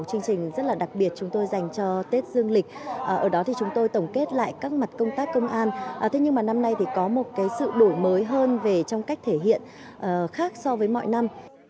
chương trình rất là đặc biệt chúng tôi dành cho tết dương lịch ở đó thì chúng tôi tổng kết lại các mặt công tác công an thế nhưng mà năm nay thì có một sự đổi mới hơn về trong cách thể hiện khác so với mọi năm